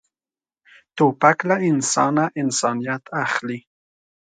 توپک له انسانه انسانیت اخلي.